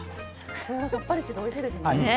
しょうがさっぱりしていておいしいですね。